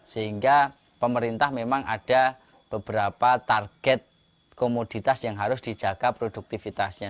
sehingga pemerintah memang ada beberapa target komoditas yang harus dijaga produktivitasnya